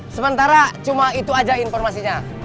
sementara cuma itu aja informasinya